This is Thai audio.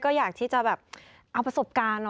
ก็อยากที่จะแบบเอาประสบการณ์